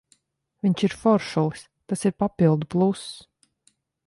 Viņš ir foršulis, tas ir papildu pluss.